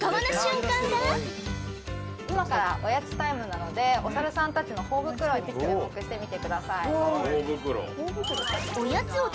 今からおやつタイムなのでおサルさん達のほお袋に注目してみてください